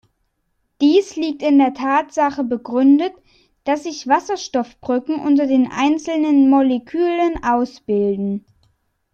Dies liegt in der Tatsache begründet, dass sich Wasserstoffbrücken unter den einzelnen Molekülen ausbilden.